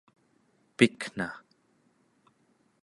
pikna